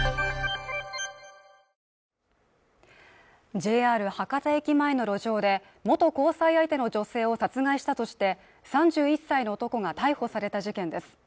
ＪＲ博多駅前の路上で元交際相手の女性を殺害したとして３１歳の男が逮捕された事件です